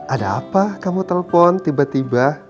ada apa kamu telpon tiba tiba